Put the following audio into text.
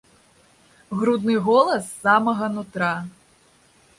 Грудны голас з самага нутра.